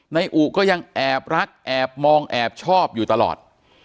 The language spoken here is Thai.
นายอุก็ยังแอบรักแอบมองแอบชอบอยู่ตลอด